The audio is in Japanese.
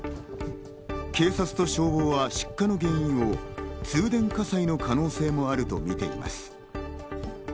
警察と消防は出火の原因を通電火災の可能性もあるとみています。